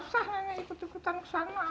usah nenek ikut ikutan ke sana